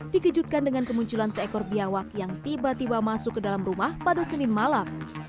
dikejutkan dengan kemunculan seekor biawak yang tiba tiba masuk ke dalam rumah pada senin malam